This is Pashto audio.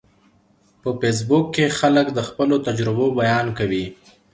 په فېسبوک کې خلک د خپلو تجربو بیان کوي